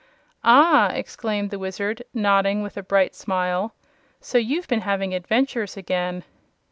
"Ah!" exclaimed the Wizard, nodding with a bright smile. "So you've been having adventures again."